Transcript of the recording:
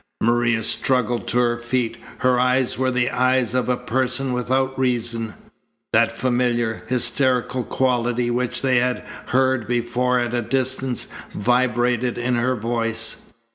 Maria struggled to her feet. Her eyes were the eyes of a person without reason. That familiar, hysterical quality which they had heard before at a distance vibrated in her voice.